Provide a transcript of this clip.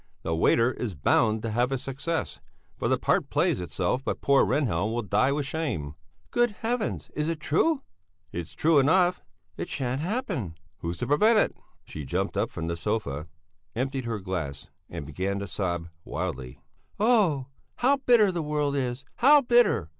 The waiter is bound to have a success, for the part plays itself; but poor Rehnhjelm will die with shame." "Good heavens! Is it true?" "It's true enough." "It shan't happen!" "Who's to prevent it?" She jumped up from the sofa, emptied her glass and began to sob wildly. "Oh! How bitter the world is, how bitter!"